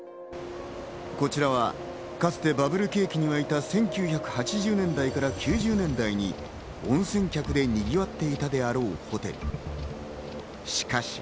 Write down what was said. こちらはかつてバブル景気には沸いた１９８０年代から９０年代に温泉客でにぎわっていたであろうホテル。